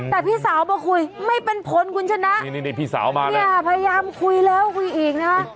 ใบพี่สาวมาคุยไม่เป็นผลอุณชนธรรมดิพยายามคุยแล้วคุยอีกนะพี่สาวมาแล้ว